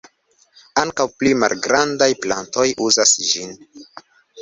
Ankaŭ pli malgrandaj plantoj uzas ĝin.